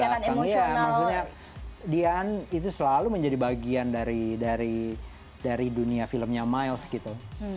iya maksudnya dian itu selalu menjadi bagian dari dunia filmnya miles gitu